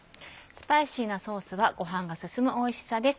スパイシーなソースはご飯が進むおいしさです。